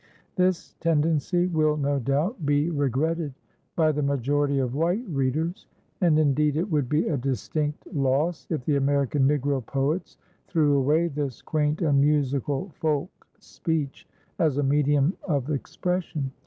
This tendency will, no doubt, be regretted by the majority of white readers; and, indeed, it would be a distinct loss if the American Negro poets threw away this quaint and musical folk speech as a medium of expression.